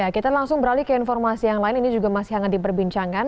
kita langsung beralih ke informasi yang lain ini juga masih hangat diperbincangkan